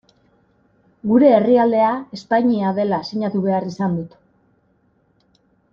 Gure herrialdea Espainia dela sinatu behar izan dut.